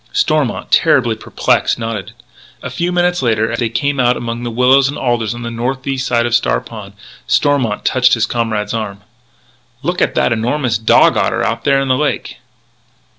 Stormont, terribly perplexed, nodded. A few minutes later, as they came out among the willows and alders on the northeast side of Star Pond, Stormont touched his comrade's arm. "Look at that enormous dog otter out there in the lake!"